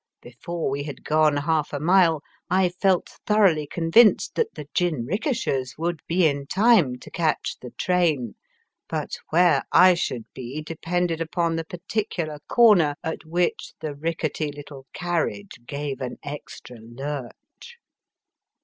Before we had gone half a mile I felt thoroughly convinced that the jinrikishas would he in time to catch the train ; but where I should be, depended upon the particular comer at which the rickety Uttle carriage gave an extra lurch.